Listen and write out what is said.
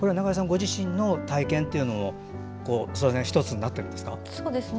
ご自身の体験が素材の１つになってるんですか？